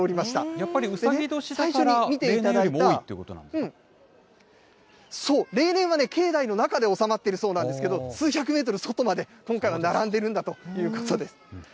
やっぱりうさぎ年だから、例年よりも多いということなんですそう、例年は境内の中で収まってるそうなんですけど、数百メートル外まで今回は並んでるんだということです。